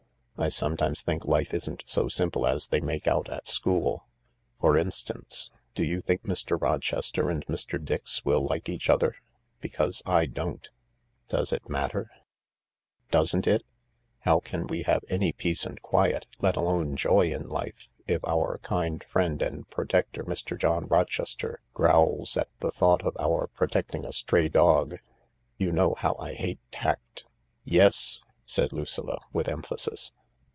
I sometimes think life isn't so simple as they make out at school. For instance, do you think Mr. Rochester and Mr. Dix will like each other ? Because I don't." " Does it matter ?"" Doesn't it ? How can we have any peace and quiet, let alone joy, in life if our kind friend and protector, Mr. John Rochester, growls at the thought of our protecting a stray dog. You know how I hate tact .. 144 THE LARK "Yes," said Lucilla, with emphasis.